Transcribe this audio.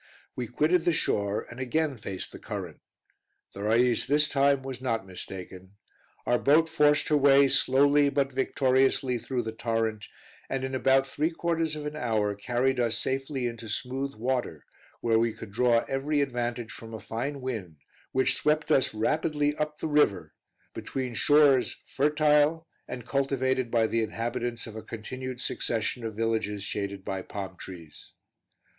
We quitted the shore, and again faced the current. The Rais this time was not mistaken; our boat forced her way slowly but victoriously through the torrent, and in about three quarters of an hour carried us safely into smooth water, where we could draw every advantage from a fine wind, which swept us rapidly up the river between shores fertile and cultivated by the inhabitants of a continued succession of villages shaded by palm trees.